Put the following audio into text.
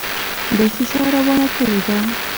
دسیسه روانه کړي ده.